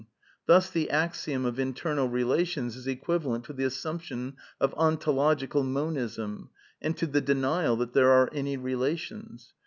Thus the axiom of internal relations is equivalent to the assiunption of ontological Monism and to the denial that there are any relations.